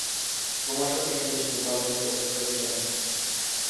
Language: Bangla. ক্রমশ: তিনি বেশ দুর্বল হয়ে পড়েছিলেন।